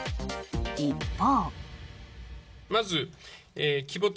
一方。